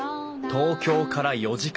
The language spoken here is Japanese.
東京から４時間。